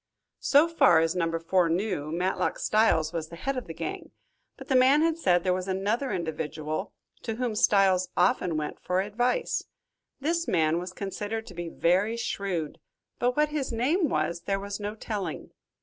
So far as Number Four knew, Matlock Styles was the head of the gang, but the man had said there was another individual, to whom Styles often went for advice. This man was considered to be very shrewd, but what his name was there was no telling.